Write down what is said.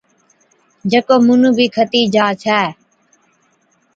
جڪو مُنُون بِي کتِي جا ڇَي۔